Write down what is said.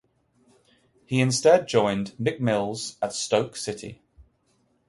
He instead joined Mick Mills at Stoke City.